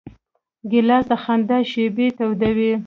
ګیلاس د خندا شېبې تودوي.